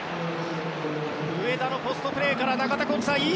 上田のポストプレーから中田浩二さん